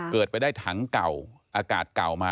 เกิดไปได้ถังเก่าอากาศเก่ามา